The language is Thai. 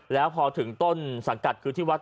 แล้วพอถึงต้นสังกัดคือที่วัด